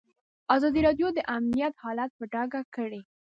ازادي راډیو د امنیت حالت په ډاګه کړی.